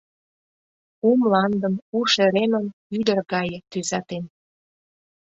У мландым, у шеремым ӱдыр гае тӱзатен.